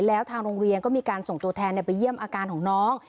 แล้วทางโรงเรียนก็มีการส่งตัวแทนไปเยี่ยมอาการของน้อง